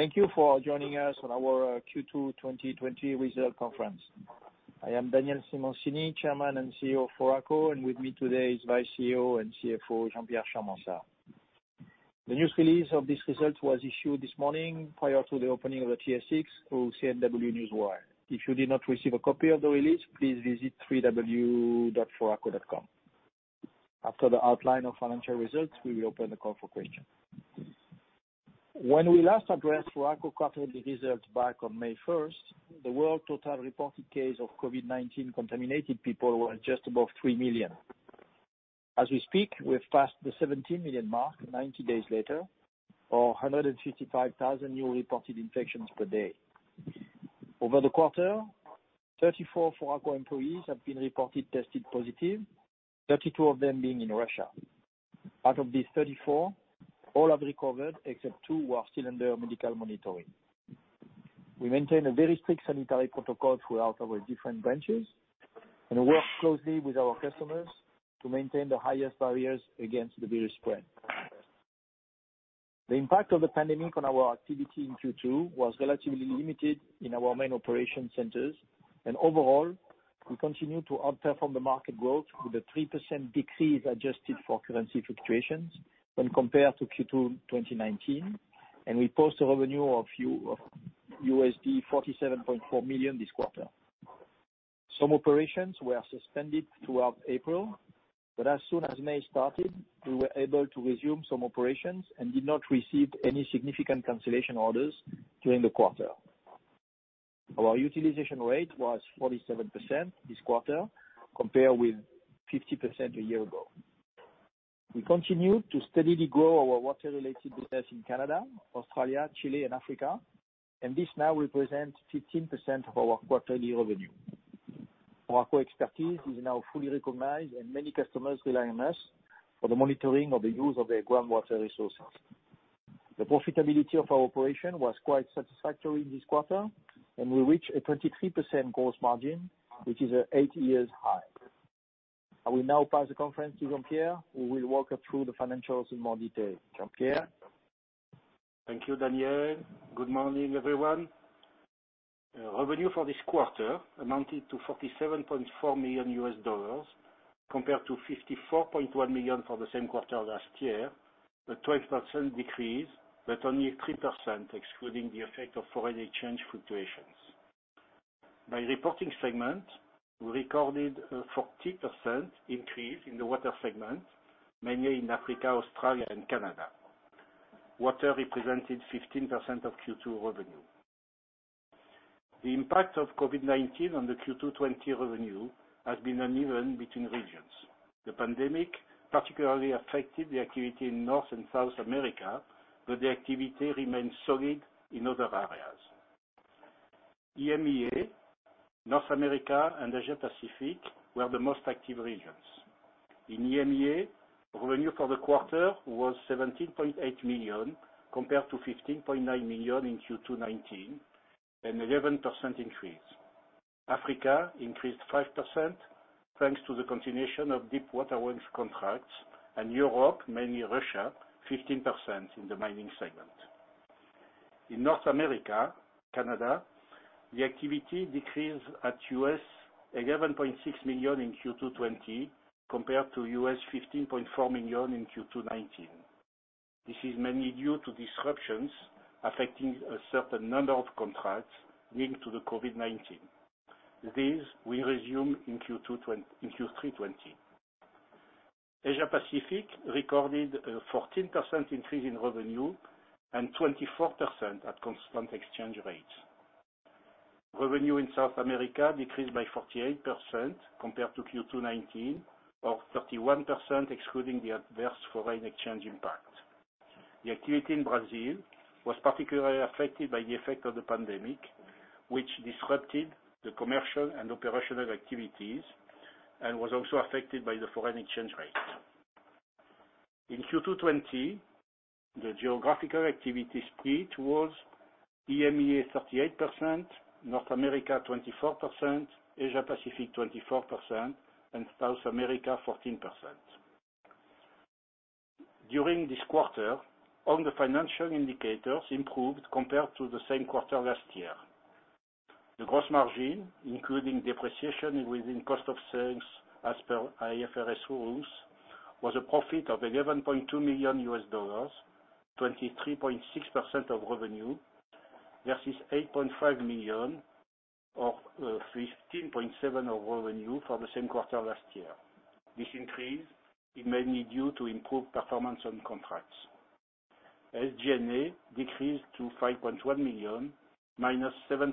Thank you for joining us on our Q2 2020 Results Conference. I am Daniel Simoncini, Chairman and CEO of Foraco, and with me today is Vice CEO and CFO Jean-Pierre Charmensat. The news release of these results was issued this morning prior to the opening of the TSX through CNW Newswire. If you did not receive a copy of the release, please visit www.foraco.com. After the outline of financial results, we will open the call for questions. When we last addressed Foraco quarterly results back on May 1st, the world total reported cases of COVID-19 contaminated people were just above 3 million. As we speak, we've passed the 17 million mark 90 days later, or 155,000 new reported infections per day. Over the quarter, 34 Foraco employees have been reported tested positive, 32 of them being in Russia. Out of these 34, all have recovered except two who are still under medical monitoring. We maintain a very strict sanitary protocol throughout our different branches and work closely with our customers to maintain the highest barriers against the virus spread. The impact of the pandemic on our activity in Q2 was relatively limited in our main operation centers, and overall, we continue to outperform the market growth with a 3% decrease adjusted for currency fluctuations when compared to Q2 2019, and we post a revenue of $47.4 million this quarter. Some operations were suspended throughout April, but as soon as May started, we were able to resume some operations and did not receive any significant cancellation orders during the quarter. Our utilization rate was 47% this quarter, compared with 50% a year ago. We continue to steadily grow our water-related business in Canada, Australia, Chile, and Africa, and this now represents 15% of our quarterly revenue. Foraco expertise is now fully recognized, and many customers rely on us for the monitoring of the use of their groundwater resources. The profitability of our operation was quite satisfactory this quarter, and we reached a 23% gross margin, which is an eight-year high. I will now pass the conference to Jean-Pierre, who will walk us through the financials in more detail. Jean-Pierre? Thank you, Daniel. Good morning, everyone. Revenue for this quarter amounted to $47.4 million, compared to $54.1 million for the same quarter last year, a 12% decrease, but only 3%, excluding the effect of foreign exchange fluctuations. By reporting segment, we recorded a 40% increase in the water segment, mainly in Africa, Australia, and Canada. Water represented 15% of Q2 revenue. The impact of COVID-19 on the Q2 2020 revenue has been uneven between regions. The pandemic particularly affected the activity in North and South America, but the activity remained solid in other areas. EMEA, North America, and Asia-Pacific were the most active regions. In EMEA, revenue for the quarter was $17.8 million, compared to $15.9 million in Q2 2019, an 11% increase. Africa increased 5% thanks to the continuation of deep water works contracts, and Europe, mainly Russia, 15% in the mining segment. In North America and Canada, the activity decreased at $11.6 million in Q2 2020, compared to $15.4 million in Q2 2019. This is mainly due to disruptions affecting a certain number of contracts linked to the COVID-19. These will resume in Q3 2020. Asia-Pacific recorded a 14% increase in revenue and 24% at constant exchange rates. Revenue in South America decreased by 48% compared to Q2 2019, or 31%, excluding the adverse foreign exchange impact. The activity in Brazil was particularly affected by the effect of the pandemic, which disrupted the commercial and operational activities and was also affected by the foreign exchange rate. In Q2 2020, the geographical activity split was EMEA 38%, North America 24%, Asia-Pacific 24%, and South America 14%. During this quarter, all the financial indicators improved compared to the same quarter last year. The gross margin, including depreciation within cost of sales as per IFRS rules, was a profit of $11.2 million, 23.6% of revenue, versus $8.5 million or 15.7% of revenue for the same quarter last year. This increase is mainly due to improved performance on contracts. SG&A decreased to $5.1 million, -7%,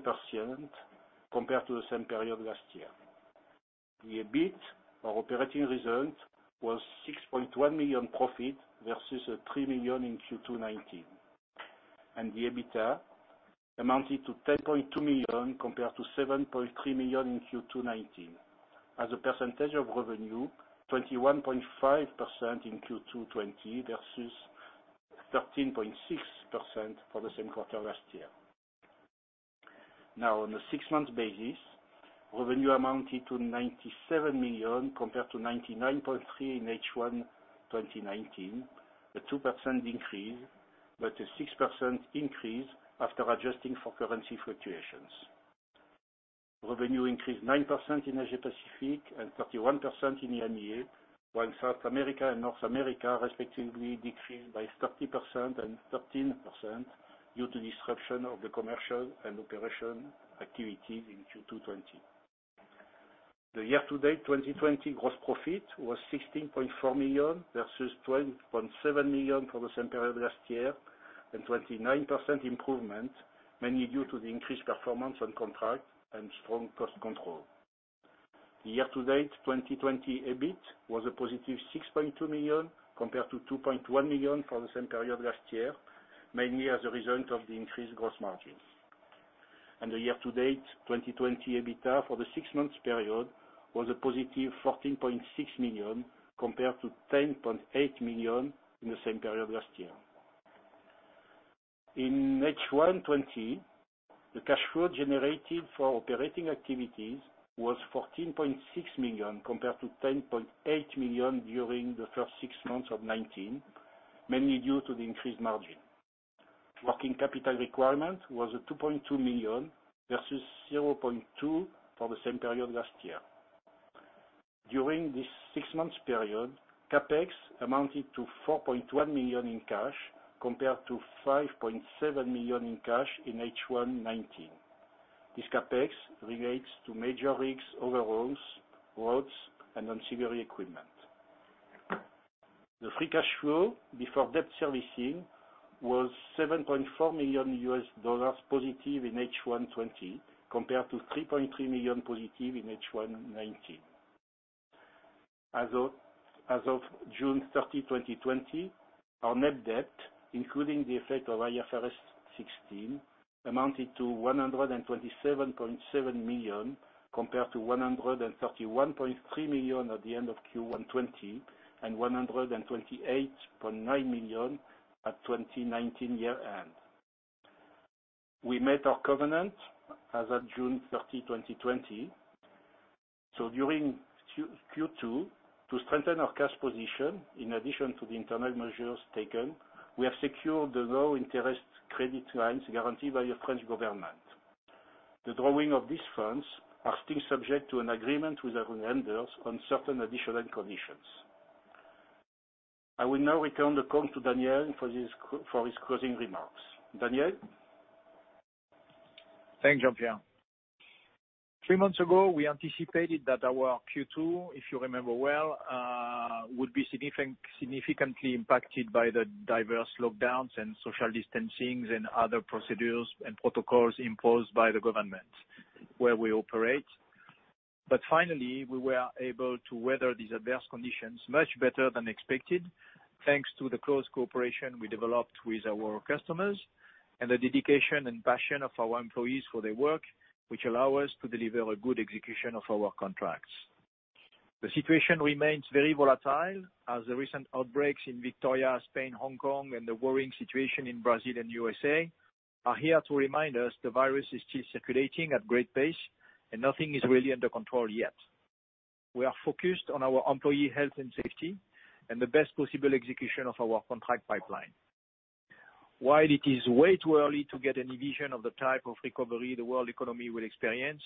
compared to the same period last year. The EBIT, or operating result, was $6.1 million profit versus $3 million in Q2 2019, and the EBITDA amounted to $10.2 million compared to $7.3 million in Q2 2019. As a percentage of revenue, 21.5% in Q2 2020 versus 13.6% for the same quarter last year. Now, on a six-month basis, revenue amounted to $97 million compared to $99.3 million in H1 2020/2019, a 2% increase, but a 6% increase after adjusting for currency fluctuations. Revenue increased 9% in Asia-Pacific and 31% in EMEA, while South America and North America, respectively, decreased by 30% and 13% due to disruption of the commercial and operational activities in Q2 2020. The year-to-date 2020 gross profit was $16.4 million versus $12.7 million for the same period last year, and 29% improvement, mainly due to the increased performance on contract and strong cost control. The year-to-date 2020 EBIT was a positive $6.2 million compared to $2.1 million for the same period last year, mainly as a result of the increased gross margin. The year-to-date 2020 EBITDA for the six-month period was a positive $14.6 million compared to $10.8 million in the same period last year. In H1 2020, the cash flow generated for operating activities was $14.6 million compared to $10.8 million during the first six months of 2019, mainly due to the increased margin. Working capital requirement was $2.2 million versus $0.2 million for the same period last year. During this six-month period, CAPEX amounted to $4.1 million in cash compared to $5.7 million in cash in H1 2019. This CAPEX relates to major rigs, overhauls, rods, and ancillary equipment. The free cash flow before debt servicing was $7.4 million positive in H1 2020 compared to $3.3 million positive in H1 2019. As of June 30, 2020, our net debt, including the effect of IFRS 16, amounted to $127.7 million compared to $131.3 million at the end of Q1 2020 and $128.9 million at 2019 year-end. We met our covenant as of June 30, 2020. During Q2, to strengthen our cash position, in addition to the internal measures taken, we have secured the low-interest credit lines guaranteed by the French government. The drawing of these funds has been subject to an agreement with our lenders on certain additional conditions. I will now return the call to Daniel for his closing remarks. Daniel? Thanks, Jean-Pierre. Three months ago, we anticipated that our Q2, if you remember well, would be significantly impacted by the diverse lockdowns and social distancing and other procedures and protocols imposed by the government where we operate. But finally, we were able to weather these adverse conditions much better than expected, thanks to the close cooperation we developed with our customers and the dedication and passion of our employees for their work, which allow us to deliver a good execution of our contracts. The situation remains very volatile, as the recent outbreaks in Victoria, Spain, Hong Kong, and the worrying situation in Brazil and USA are here to remind us the virus is still circulating at great pace and nothing is really under control yet. We are focused on our employee health and safety and the best possible execution of our contract pipeline. While it is way too early to get any vision of the type of recovery the world economy will experience,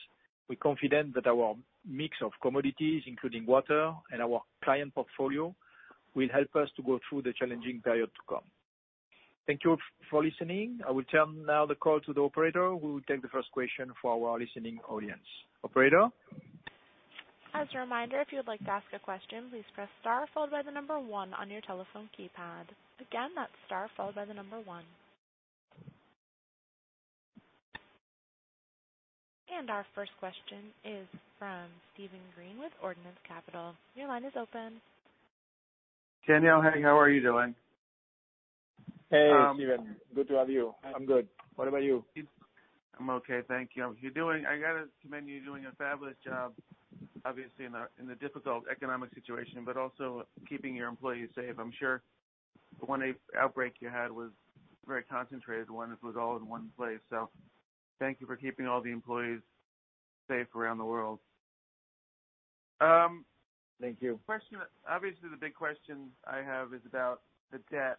we are confident that our mix of commodities, including water and our client portfolio, will help us to go through the challenging period to come. Thank you for listening. I will turn now the call to the operator, who will take the first question for our listening audience. Operator? As a reminder, if you'd like to ask a question, please press star followed by the number 1 on your telephone keypad. Again, that's star followed by the number 1. And our first question is from Steven Green with Ordinance Capital. Your line is open. Daniel, hey, how are you doing? Hey, Steven. Good to have you. I'm good. What about you? I'm okay. Thank you. I got to commend you doing a fabulous job, obviously, in the difficult economic situation, but also keeping your employees safe. I'm sure the one outbreak you had was very concentrated, one that was all in one place. So thank you for keeping all the employees safe around the world. Thank you. Obviously, the big question I have is about the debt.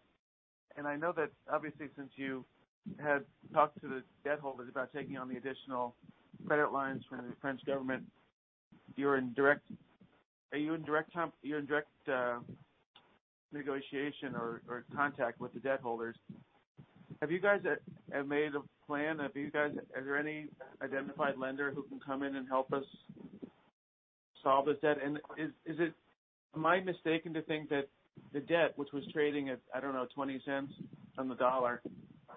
I know that, obviously, since you had talked to the debt holders about taking on the additional credit lines from the French government, you're in direct, are you in direct negotiation or contact with the debt holders? Have you guys made a plan? Are there any identified lender who can come in and help us solve this debt? And is it my mistake to think that the debt, which was trading at, I don't know, 20 cents on the dollar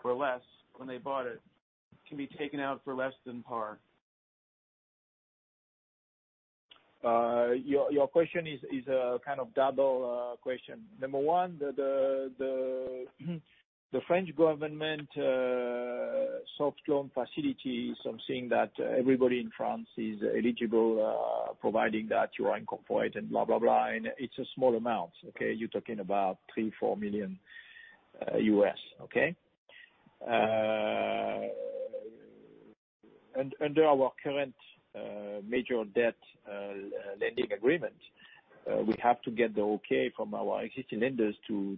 or less when they bought it, can be taken out for less than par? Your question is a kind of double question. Number one, the French government soft loan facility is something that everybody in France is eligible for, providing that you are in compliance and blah, blah, blah. It's a small amount. Okay? You're talking about $3 million-$4 million, okay? Under our current major debt lending agreement, we have to get the okay from our existing lenders to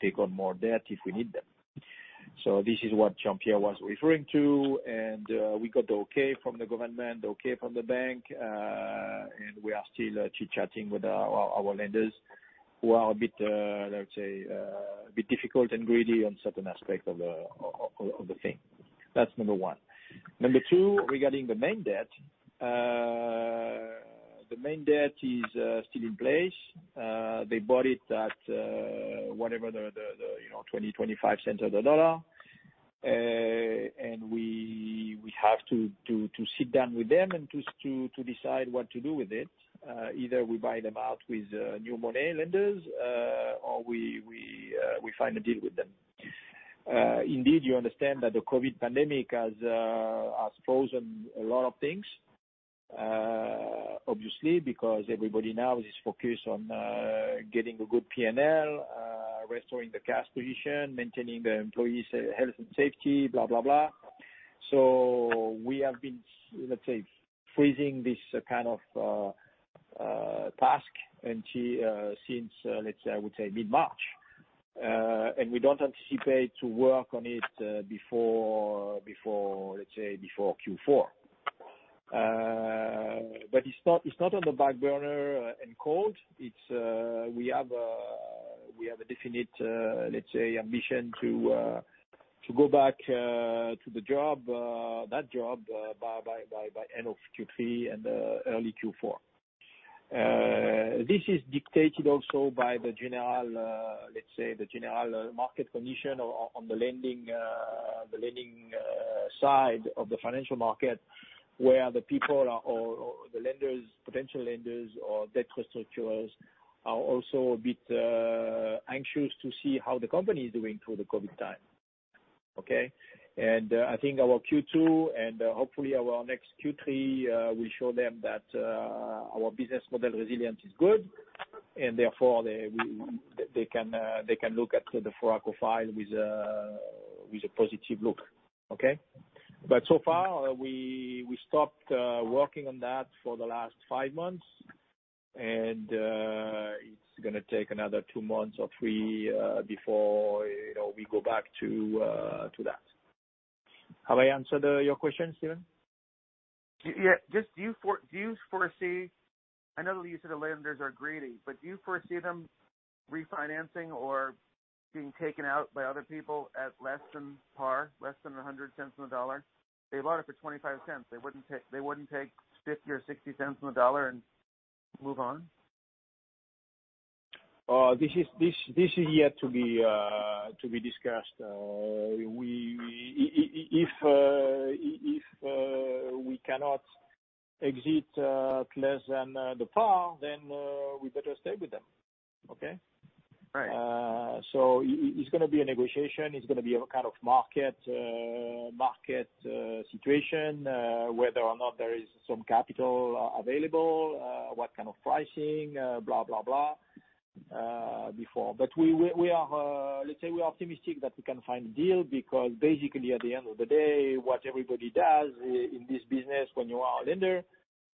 take on more debt if we need them. This is what Jean-Pierre was referring to. We got the okay from the government, the okay from the bank, and we are still chit-chatting with our lenders, who are a bit, let's say, a bit difficult and greedy on certain aspects of the thing. That's number one. Number two, regarding the main debt, the main debt is still in place. They bought it at whatever the 20-25 cents of the dollar. And we have to sit down with them and to decide what to do with it. Either we buy them out with new money lenders or we find a deal with them. Indeed, you understand that the COVID pandemic has frozen a lot of things, obviously, because everybody now is focused on getting a good P&L, restoring the cash position, maintaining the employees' health and safety, blah, blah, blah. So we have been, let's say, freezing this kind of task since, let's say, I would say, mid-March. And we don't anticipate to work on it before, let's say, before Q4. But it's not on the back burner and cold. We have a definite, let's say, ambition to go back to that job by end of Q3 and early Q4. This is dictated also by the general, let's say, the general market condition on the lending side of the financial market, where the people, or the lenders, potential lenders, or debt restructurers are also a bit anxious to see how the company is doing through the COVID time. Okay? I think our Q2 and hopefully our next Q3 will show them that our business model resilience is good, and therefore they can look at the Foraco file with a positive look. Okay? So far, we stopped working on that for the last five months, and it's going to take another two months or three before we go back to that. Have I answered your question, Steven? Yeah. Do you foresee, I know that you said the lenders are greedy, but do you foresee them refinancing or being taken out by other people at less than par, less than 100 cents on the dollar? They bought it for 25 cents. They wouldn't take 50 or 60 cents on the dollar and move on? This is yet to be discussed. If we cannot exit at less than the par, then we better stay with them. Okay? Right. So it's going to be a negotiation. It's going to be a kind of market situation, whether or not there is some capital available, what kind of pricing, blah, blah, blah, before. But let's say we're optimistic that we can find a deal because, basically, at the end of the day, what everybody does in this business when you are a lender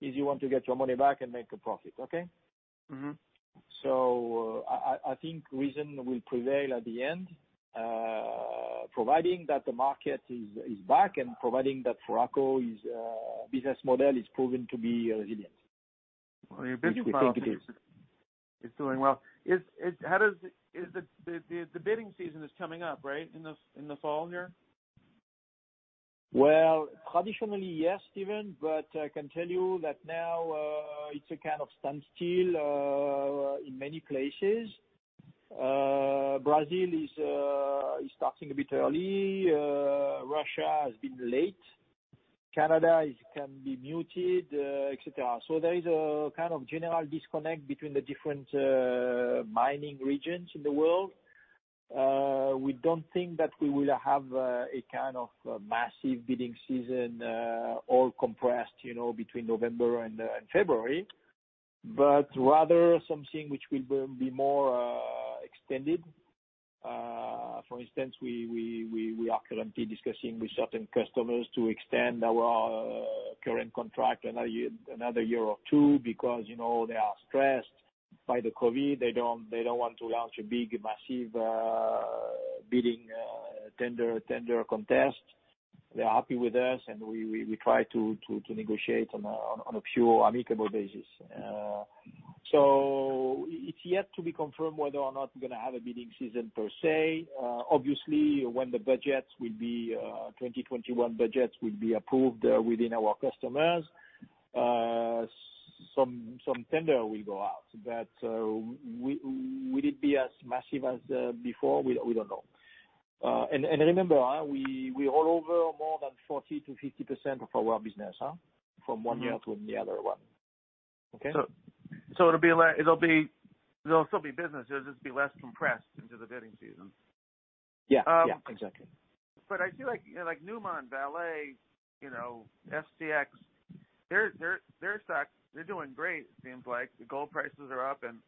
is you want to get your money back and make a profit. Okay? Mm-hmm. I think reason will prevail at the end, providing that the market is back and providing that Foraco business model is proven to be resilient. Well, you're busy with all this. I think it is. It's doing well. Is the bidding season coming up, right, in the fall here? Well, traditionally, yes, Steven, but I can tell you that now it's a kind of standstill in many places. Brazil is starting a bit early. Russia has been late. Canada can be muted, etc. So there is a kind of general disconnect between the different mining regions in the world. We don't think that we will have a kind of massive bidding season all compressed between November and February, but rather something which will be more extended. For instance, we are currently discussing with certain customers to extend our current contract another year or two because they are stressed by the COVID. They don't want to launch a big, massive bidding tender contest. They're happy with us, and we try to negotiate on a few amicable bases. So it's yet to be confirmed whether or not we're going to have a bidding season per se. Obviously, when the 2021 budgets will be approved within our customers, some tender will go out. But will it be as massive as before? We don't know. And remember, we roll over more than 40%-50% of our business from one year to the other one. Okay? It'll be less, it'll still be business. It'll just be less compressed into the bidding season. Yeah. Yeah. Exactly. I feel like Newmont, Vale, FCX, they're doing great, it seems like. The gold prices are up, and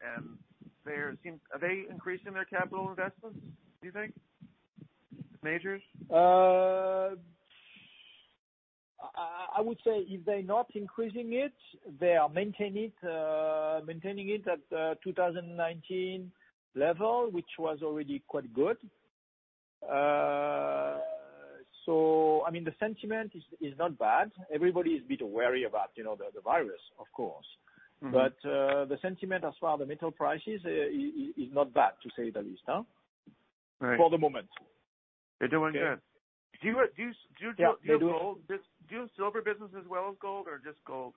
are they increasing their capital investments, do you think, the majors? I would say if they're not increasing it, they are maintaining it at the 2019 level, which was already quite good. So I mean, the sentiment is not bad. Everybody is a bit worried about the virus, of course. But the sentiment as far as the metal prices is not bad, to say the least, for the moment. They're doing good. Do you do silver business as well as gold, or just gold?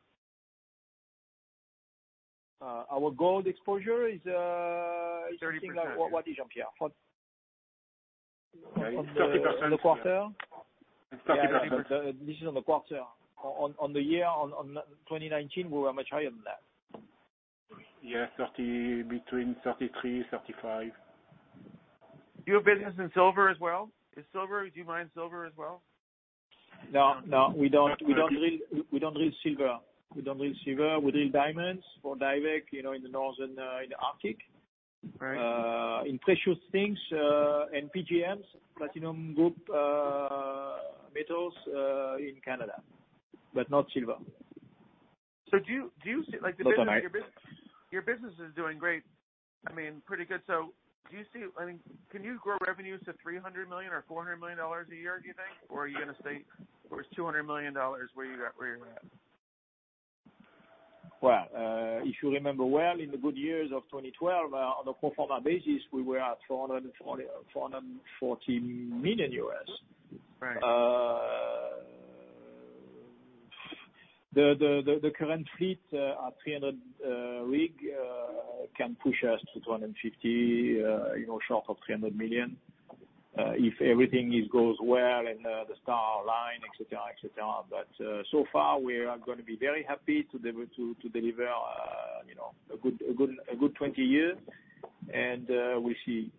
Our gold exposure is. 30%. What is, Jean-Pierre? 30%. On the quarter? It's 30%. This is on the quarter. On the year 2019, we were much higher than that. Yeah. Between 33%-35%. Do you have business in silver as well? Do you mine silver as well? No. No. We don't drill silver. We don't drill silver. We drill diamonds for Diavik in the Northern Arctic, in precious things and PGMs, Platinum Group Metals in Canada, but not silver. Do you see? Don't I? Your business is doing great. I mean, pretty good. So do you see, I mean, can you grow revenues to $300 million or $400 million a year, do you think? Or are you going to stay where it's $200 million where you're at? Well, if you remember well, in the good years of 2012, on a pro forma basis, we were at $440 million. The current fleet at 300 rigs can push us to $250 million, short of $300 million, if everything goes well and the stars align, etc., etc. But so far, we are going to be very happy to deliver a good 20 years, and we'll see.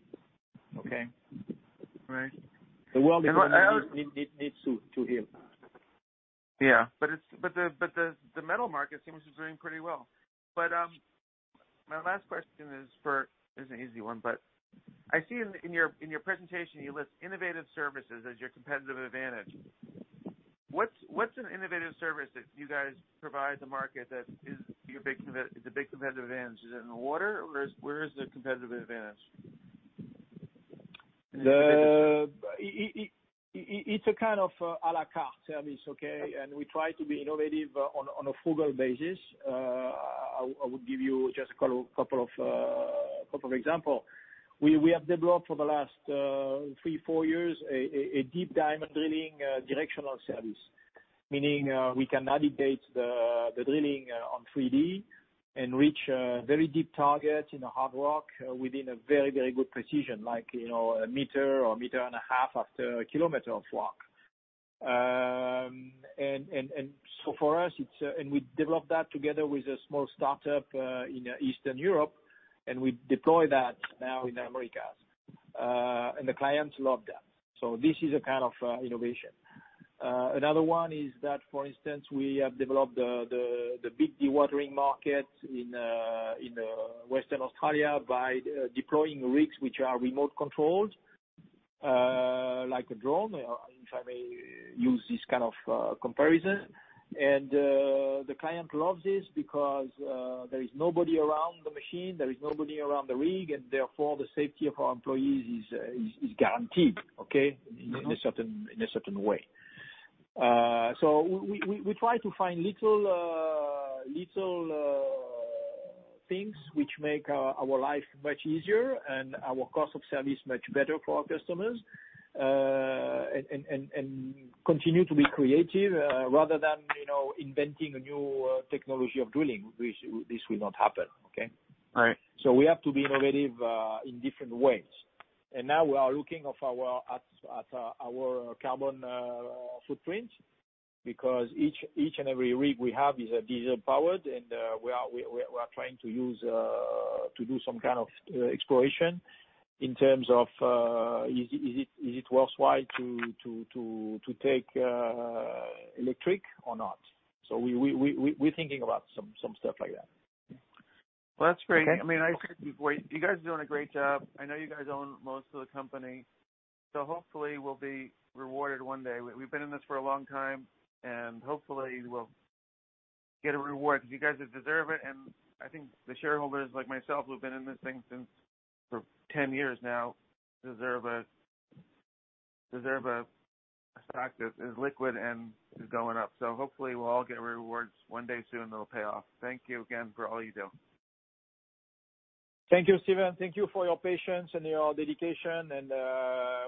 Okay? Right. The world needs to heal. Yeah. But the metal market seems to be doing pretty well. But my last question is for—it's an easy one, but I see in your presentation you list innovative services as your competitive advantage. What's an innovative service that you guys provide the market that is the big competitive advantage? Is it in the water, or where is the competitive advantage? It's a kind of à la carte service. Okay? And we try to be innovative on a frugal basis. I would give you just a couple of examples. We have developed for the last 3-4 years a deep diamond drilling directional service, meaning we can navigate the drilling on 3D and reach very deep targets in a hard rock within a very, very good precision, like a meter or a meter and a half after a kilometer of rock. And so for us, it's, and we developed that together with a small startup in Eastern Europe, and we deploy that now in the Americas. And the clients love that. So this is a kind of innovation. Another one is that, for instance, we have developed the big dewatering market in Western Australia by deploying rigs which are remote-controlled, like a drone, if I may use this kind of comparison. The client loves this because there is nobody around the machine. There is nobody around the rig, and therefore the safety of our employees is guaranteed, okay, in a certain way. So we try to find little things which make our life much easier and our cost of service much better for our customers and continue to be creative rather than inventing a new technology of drilling, which this will not happen. Okay? Right. So we have to be innovative in different ways. And now we are looking at our carbon footprint because each and every rig we have is a diesel-powered, and we are trying to do some kind of exploration in terms of is it worthwhile to take electric or not. So we're thinking about some stuff like that. Well, that's great. I mean, I think you guys are doing a great job. I know you guys own most of the company. So hopefully, we'll be rewarded one day. We've been in this for a long time, and hopefully, we'll get a reward because you guys deserve it. I think the shareholders, like myself, who've been in this thing for 10 years now, deserve a stock that is liquid and is going up. So hopefully, we'll all get rewards one day soon, and it'll pay off. Thank you again for all you do. Thank you, Steven. Thank you for your patience and your dedication, and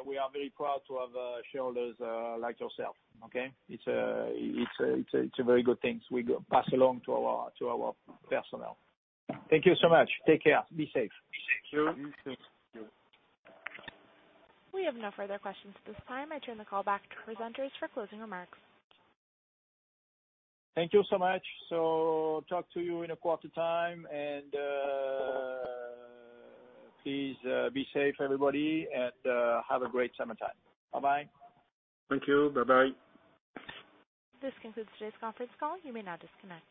we are very proud to have shareholders like yourself. Okay? It's a very good thing we pass along to our personnel. Thank you so much. Take care. Be safe. You too. We have no further questions at this time. I turn the call back to presenters for closing remarks. Thank you so much. So talk to you in a quarter time, and please be safe, everybody, and have a great summertime. Bye-bye. Thank you. Bye-bye. This concludes today's conference call. You may now disconnect.